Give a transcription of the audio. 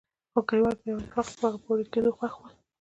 خو کليوال په يوه اتفاق د هغه په ورکېدو خوښ ول.